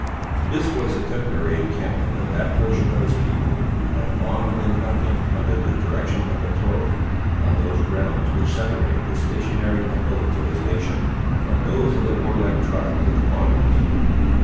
This was the temporary encampment of that portion of his people, who had long been hunting under the direction of Mahtoree, on those grounds which separated the stationary abodes of his nation, from those of the warlike tribes of the Pawnees.